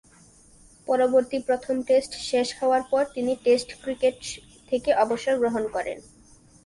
পরবর্তীতে প্রথম টেস্ট শেষ হওয়ার পর তিনি টেস্ট ক্রিকেট থেকে অবসর গ্রহণ করেন।